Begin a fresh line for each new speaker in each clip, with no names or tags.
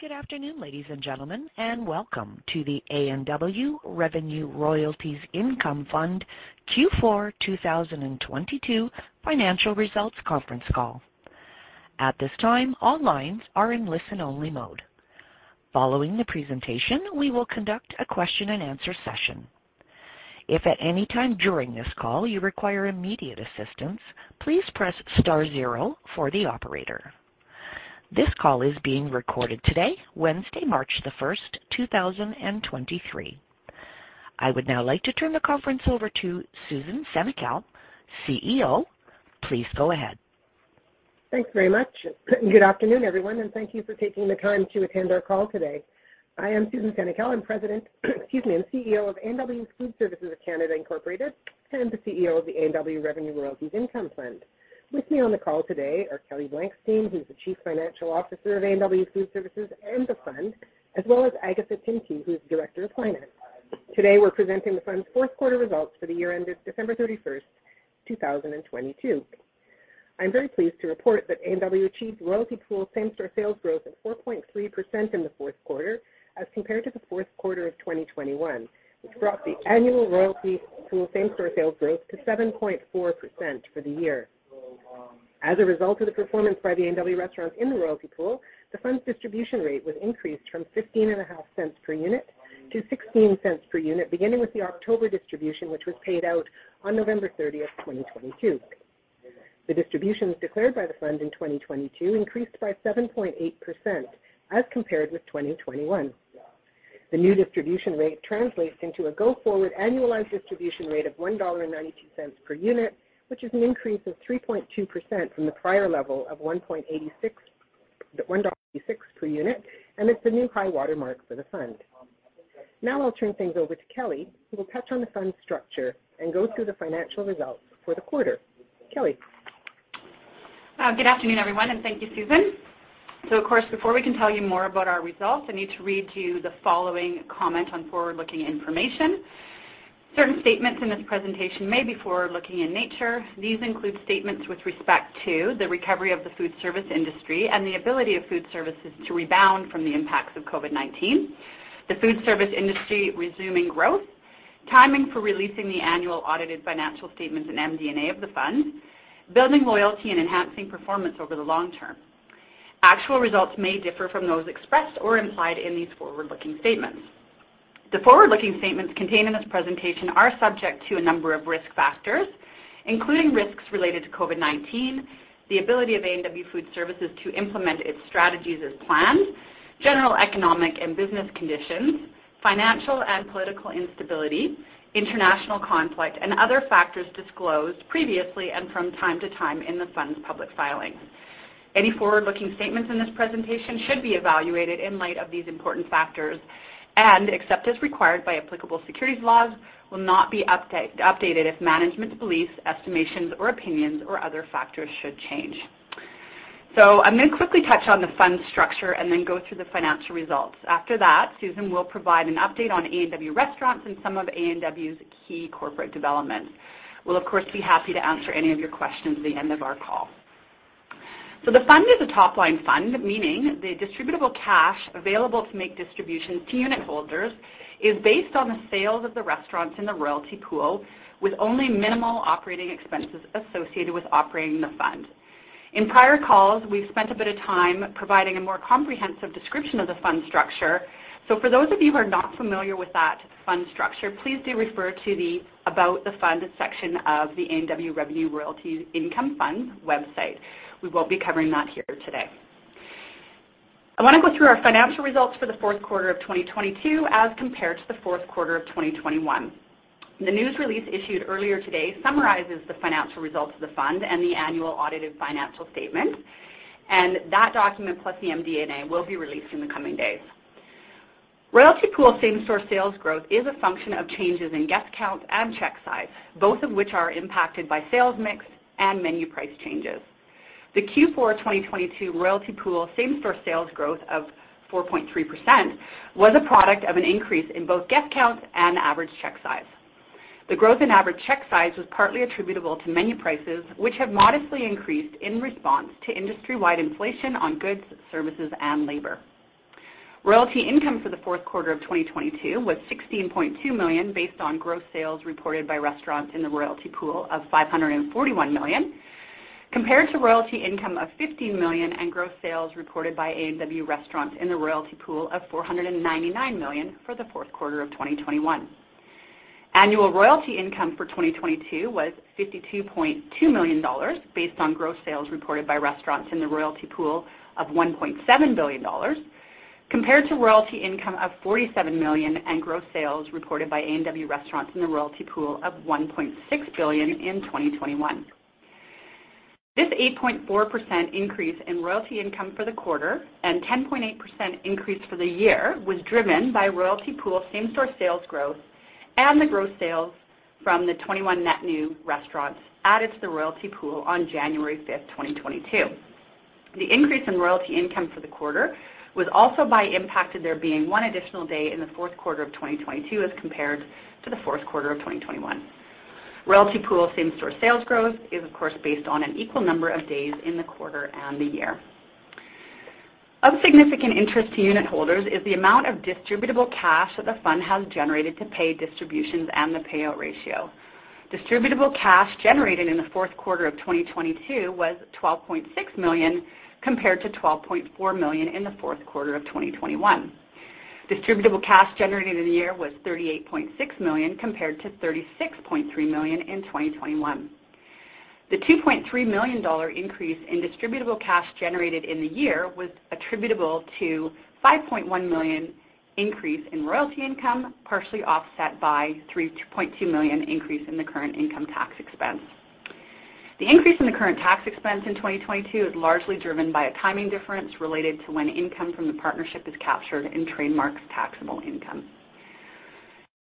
Good afternoon, ladies and gentlemen, Welcome to the A&W Revenue Royalties Income Fund Q4 2022 Financial Results Conference Call. At this time, all lines are in listen-only mode. Following the presentation, we will conduct a question-and-answer session. If at any time during this call you require immediate assistance, please press star zero for the operator. This call is being recorded today, Wednesday, 1 March 2023. I would now like to turn the conference over to Susan Senecal, CEO. Please go ahead.
Thanks very much. Good afternoon, everyone, and thank you for taking the time to attend our call today. I am Susan Senecal. I'm President, excuse me, and CEO of A&W Food Services of Canada Inc., and the CEO of the A&W Revenue Royalties Income Fund. With me on the call today are Kelly Blankstein, who's the Chief Financial Officer of A&W Food Services and the fund, as well as Agatha Tymke, who's the Director of Finance. Today, we're presenting the fund's Q4 results for the year ended 31 December 2022. I'm very pleased to report that A&W achieved royalty pool same-store sales growth of 4.3% in the Q4 as compared to the Q4 of 2021, which brought the annual royalty pool same-store sales growth to 7.4% for the year. As a result of the performance by the A&W Restaurants in the Royalty Pool, the fund's distribution rate was increased from 0.155 per unit to 0.16 per unit, beginning with the October distribution, which was paid out on November 30, 2022. The distributions declared by the fund in 2022 increased by 7.8% as compared with 2021. The new distribution rate translates into a go-forward annualized distribution rate of 1.92 dollar per unit, which is an increase of 3.2% from the prior level of 1.86 per unit, and it's a new high watermark for the fund. I'll turn things over to Kelly, who will touch on the fund's structure and go through the financial results for the quarter. Kelly.
Good afternoon, everyone, and thank you, Susan. Of course, before we can tell you more about our results, I need to read you the following comment on forward-looking information. Certain statements in this presentation may be forward-looking in nature. These include statements with respect to the recovery of the food service industry and the ability of food services to rebound from the impacts of COVID-19, the food service industry resuming growth, timing for releasing the annual audited financial statements and MD&A of the Fund, building loyalty and enhancing performance over the long term. Actual results may differ from those expressed or implied in these forward-looking statements. The forward-looking statements contained in this presentation are subject to a number of risk factors, including risks related to COVID-19, the ability of A&W Food Services to implement its strategies as planned, general economic and business conditions, financial and political instability, international conflict and other factors disclosed previously and from time to time in the Fund's public filings. Any forward-looking statements in this presentation should be evaluated in light of these important factors and, except as required by applicable securities laws, will not be updated if management's beliefs, estimations, or opinions or other factors should change. I'm going to quickly touch on the Fund's structure and then go through the financial results. After that, Susan will provide an update on A&W Restaurants and some of A&W's key corporate developments. We'll of course, be happy to answer any of your questions at the end of our call. The Fund is a top line fund, meaning the distributable cash available to make distributions to unitholders is based on the sales of the restaurants in the royalty pool with only minimal operating expenses associated with operating the Fund. In prior calls, we've spent a bit of time providing a more comprehensive description of the Fund structure. For those of you who are not familiar with that Fund structure, please do refer to the About the Fund section of the A&W Revenue Royalties Income Fund website. We won't be covering that here today. I want to go through our financial results for the Q4 of 2022 as compared to the Q4 of 2021. The news release issued earlier today summarizes the financial results of the Fund and the annual audited financial statement, and that document, plus the MD&A, will be released in the coming days. royalty pool same-store sales growth is a function of changes in guest counts and check size, both of which are impacted by sales mix and menu price changes. The Q4 2022 royalty pool same-store sales growth of 4.3% was a product of an increase in both guest counts and average check size. The growth in average check size was partly attributable to menu prices, which have modestly increased in response to industry-wide inflation on goods, services, and labor. Royalty income for the Q4 of 2022 was 16.2 million based on gross sales reported by restaurants in the Royalty Pool of 541 million, compared to royalty income of 15 million and gross sales reported by A&W Restaurants in the Royalty Pool of 499 million for the Q4 of 2021. Annual royalty income for 2022 was 52.2 million dollars based on gross sales reported by restaurants in the Royalty Pool of 1.7 billion dollars, compared to royalty income of 47 million and gross sales reported by A&W Restaurants in the Royalty Pool of 1.6 billion in 2021. This 8.4% increase in royalty income for the quarter and 10.8% increase for the year was driven by royalty pool same-store sales growth and the gross sales from the 21 net new restaurants added to the Royalty Pool on 5 January 2022. The increase in royalty income for the quarter was also by impact of there being one additional day in the Q4 of 2022 as compared to the Q4 of 2021. Royalty Pool same-store sales growth is of course, based on an equal number of days in the quarter and the year. Of significant interest to unitholders is the amount of distributable cash that the fund has generated to pay distributions and the payout ratio. Distributable cash generated in the Q4 of 2022 was CAD 12.6 million, compared to CAD 12.4 million in the Q4 of 2021. Distributable cash generated in the year was CAD 38.6 million, compared to CAD 36.3 million in 2021. The CAD 2.3 million increase in distributable cash generated in the year was attributable to CAD 5.1 million increase in royalty income, partially offset by 3.2 million increase in the current income tax expense. The increase in the current tax expense in 2022 is largely driven by a timing difference related to when income from the partnership is captured in Trade Marks' taxable income.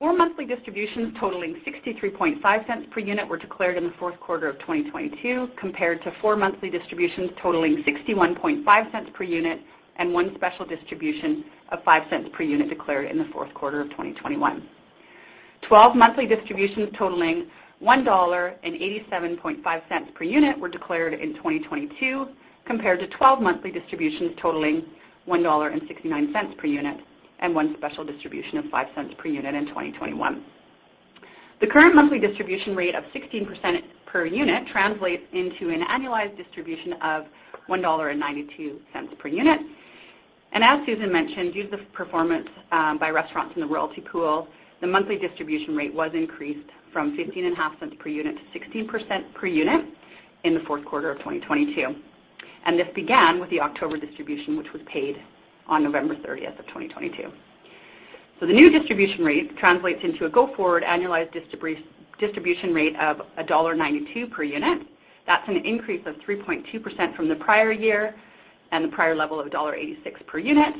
Four monthly distributions totaling 0.635 per unit were declared in Q4 2022, compared to four monthly distributions totaling 0.615 per unit, and one special distribution of 0.05 per unit declared in Q4 2021. 12 monthly distributions totaling 1.875 dollar per unit were declared in 2022, compared to 12 monthly distributions totaling 1.69 dollar per unit and one special distribution of 0.05 per unit in 2021. The current monthly distribution rate of 16% per unit translates into an annualized distribution of 1.92 dollar per unit. As Susan mentioned, due to the performance by restaurants in the royalty pool, the monthly distribution rate was increased from 0.155 per unit to 16% per unit in the Q4 of 2022. This began with the October distribution, which was paid on 30 November 2022. The new distribution rate translates into a go-forward annualized distribution rate of dollar 1.92 per unit. That's an increase of 3.2% from the prior year and the prior level of dollar 1.86 per unit.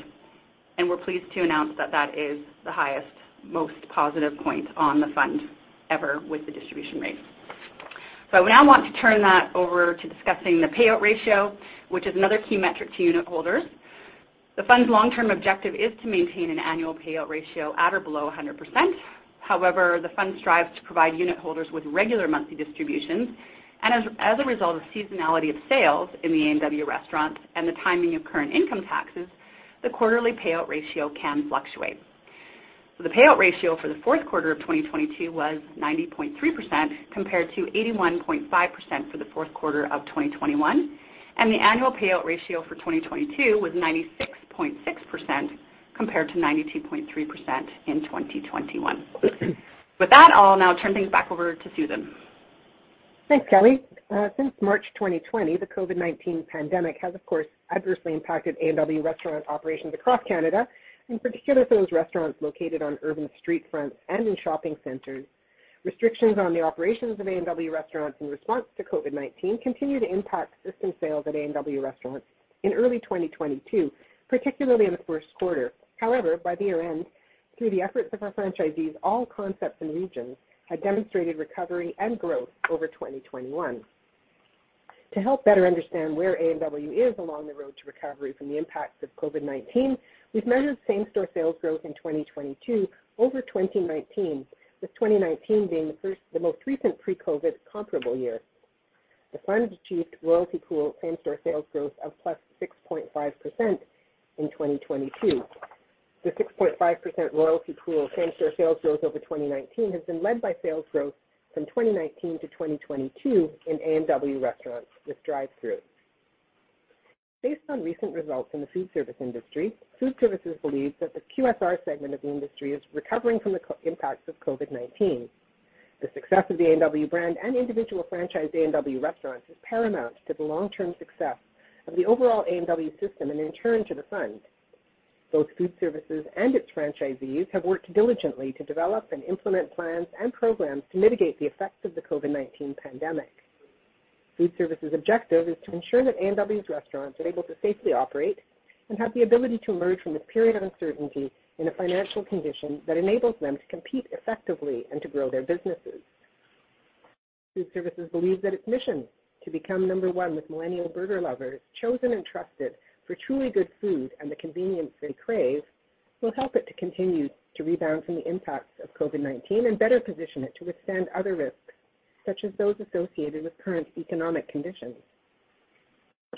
We're pleased to announce that that is the highest, most positive point on the fund ever with the distribution rate. I now want to turn that over to discussing the payout ratio, which is another key metric to unitholders. The fund's long-term objective is to maintain an annual payout ratio at or below 100%. The fund strives to provide unitholders with regular monthly distributions. As a result of seasonality of sales in the A&W restaurants and the timing of current income taxes, the quarterly payout ratio can fluctuate. The payout ratio for the Q4 of 2022 was 90.3%, compared to 81.5% for the Q4 of 2021. The annual payout ratio for 2022 was 96.6%, compared to 92.3% in 2021. With that, I'll now turn things back over to Susan.
Thanks, Kelly. Since March 2020, the COVID-19 pandemic has of course adversely impacted A&W restaurant operations across Canada, in particular those restaurants located on urban street fronts and in shopping centers. Restrictions on the operations of A&W restaurants in response to COVID-19 continue to impact system sales at A&W Restaurants in early 2022, particularly in the Q1. By the year-end, through the efforts of our franchisees, all concepts and regions had demonstrated recovery and growth over 2021. To help better understand where A&W is along the road to recovery from the impacts of COVID-19, we've measured same-store sales growth in 2022 over 2019, with 2019 being the most recent pre-COVID comparable year. The fund achieved royalty pool same-store sales growth of +6.5% in 2022. The 6.5% royalty pool same-store sales growth over 2019 has been led by sales growth from 2019-2022 in A&W Restaurants with drive-thru. Based on recent results in the food service industry, Food Services believes that the QSR segment of the industry is recovering from the impacts of COVID-19. The success of the A&W brand and individual franchised A&W Restaurants is paramount to the long-term success of the overall A&W system and in turn to the fund. Both Food Services and its franchisees have worked diligently to develop and implement plans and programs to mitigate the effects of the COVID-19 pandemic. Food Services' objective is to ensure that A&W's restaurants are able to safely operate and have the ability to emerge from this period of uncertainty in a financial condition that enables them to compete effectively and to grow their businesses. Food Services believes that its mission to become number one with millennial burger lovers, chosen and trusted for truly good food and the convenience they crave, will help it to continue to rebound from the impacts of COVID-19 and better position it to withstand other risks, such as those associated with current economic conditions.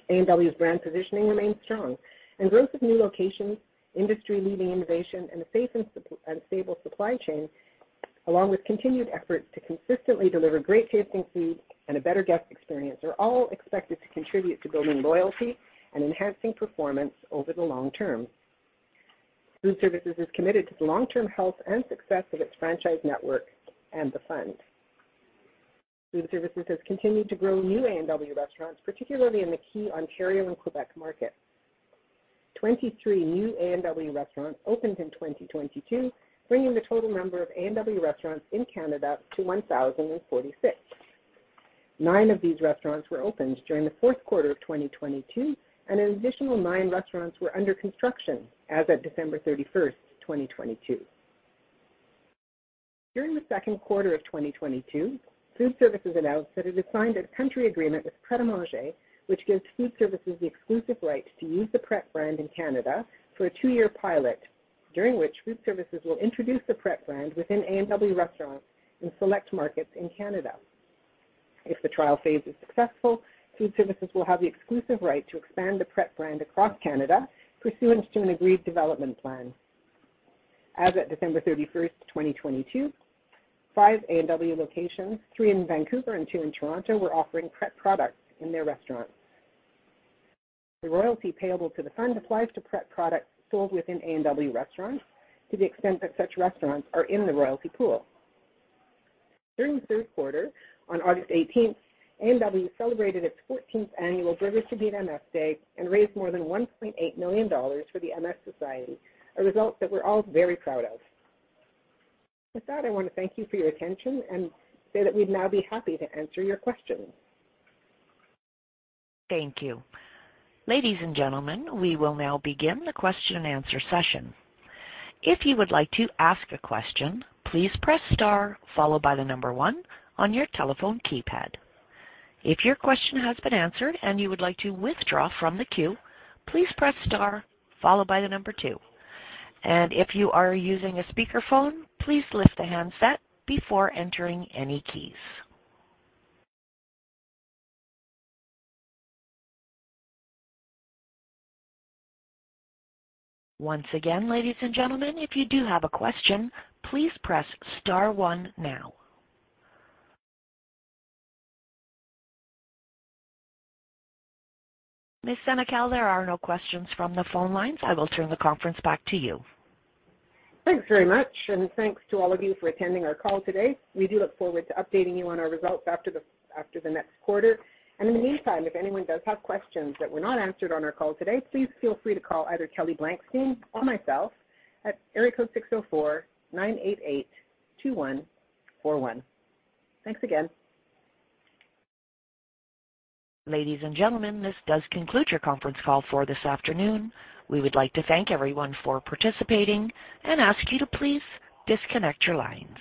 A&W's brand positioning remains strong, and growth of new locations, industry-leading innovation and a safe and stable supply chain, along with continued efforts to consistently deliver great-tasting food and a better guest experience, are all expected to contribute to building loyalty and enhancing performance over the long term. Food Services is committed to the long-term health and success of its franchise network and the Fund. Food Services has continued to grow new A&W Restaurants, particularly in the key Ontario and Quebec markets. 23 new A&W Restaurants opened in 2022, bringing the total number of A&W Restaurants in Canada to 1,046. Nine of these restaurants were opened during the Q4 of 2022, and an additional nine restaurants were under construction as at 31 December 2022. During the Q2 of 2022, Food Services announced that it had signed a country agreement with Pret A Manger, which gives Food Services the exclusive right to use the Pret brand in Canada for a two-year pilot, during which Food Services will introduce the Pret brand within A&W Restaurants in select markets in Canada. If the trial phase is successful, Food Services will have the exclusive right to expand the Pret brand across Canada pursuant to an agreed development plan. As of 31 December 2022, five A&W locations, three in Vancouver and two in Toronto, were offering Pret products in their restaurants. The royalty payable to the fund applies to Pret products sold within A&W Restaurants to the extent that such restaurants are in the Royalty Pool. During the Q3, on August 18, A&W celebrated its 14th annual Burgers to Beat MS Day and raised more than 1.8 million dollars for the MS Society, a result that we're all very proud of. I want to thank you for your attention and say that we'd now be happy to answer your questions.
Thank you. Ladies and gentlemen, we will now begin the question-and-answer session. If you would like to ask a question, please press star followed by the number one on your telephone keypad. If your question has been answered and you would like to withdraw from the queue, please press star followed by the number two. If you are using a speakerphone, please lift the handset before entering any keys. Once again, ladies and gentlemen, if you do have a question, please press star one now. Ms. Senecal, there are no questions from the phone lines. I will turn the conference back to you.
Thanks very much, and thanks to all of you for attending our call today. We do look forward to updating you on our results after the next quarter. In the meantime, if anyone does have questions that were not answered on our call today, please feel free to call either Kelly Blankstein or myself at area code 604, 988, 21, 41. Thanks again.
Ladies and gentlemen, this does conclude your conference call for this afternoon. We would like to thank everyone for participating and ask you to please disconnect your lines.